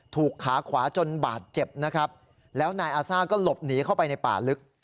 ขาขวาจนบาดเจ็บนะครับแล้วนายอาซ่าก็หลบหนีเข้าไปในป่าลึก